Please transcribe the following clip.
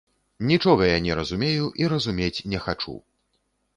Нічога я не разумею і разумець не хачу.